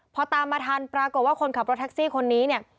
พอตามมาทันปรากฏว่าคนขับรถแท็กซี่คนนี้เนี่ย